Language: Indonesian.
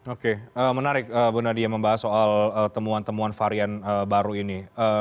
oke menarik bu nadia membahas soal temuan temuan varian baru ini